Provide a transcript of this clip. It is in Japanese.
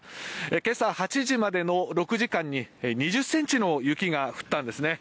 今朝８時までの６時間に２０ｃｍの雪が降ったんですね。